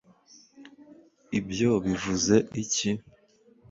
ibyo bivuze iki